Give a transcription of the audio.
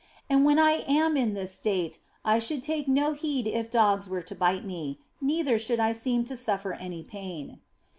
And when I am in this state I should take no heed if dogs were to bite me, neither should I seem to suffer any pain.